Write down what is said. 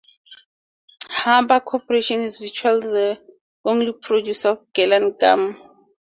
Huber Corporation is virtually the only producer of gellan gum.